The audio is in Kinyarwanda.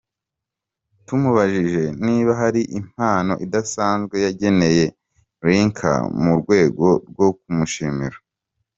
Tumubajije niba hari impano idasanzwe yageneye Lynca mu rwego rwo kumushimira.